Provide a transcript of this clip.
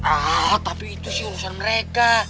ah tapi itu sih urusan mereka